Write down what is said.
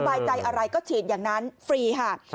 บายใจอะไรก็ฉีดอย่างนั้นฟรีค่ะ